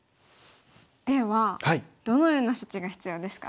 ではどのような処置が必要ですか？